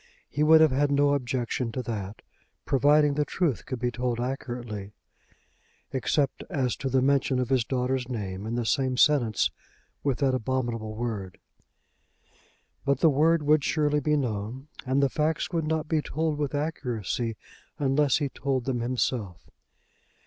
He would have had no objection to that, providing the truth could be told accurately, except as to the mention of his daughter's name in the same sentence with that abominable word. But the word would surely be known, and the facts would not be told with accuracy unless he told them himself.